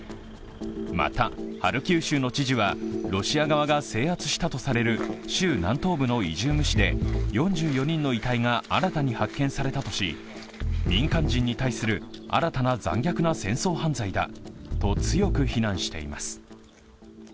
また、ハルキウ州の知事はロシア側が制圧したとされる州南東部のイジューム市で４４人の遺体が新たに発見されたとし民間人に対する新たな残虐な戦争犯罪だと強く非難しています。